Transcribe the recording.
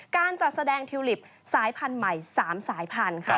การจัดแสดงทิวลิปสายพันธุ์ใหม่๓สายพันธุ์ค่ะ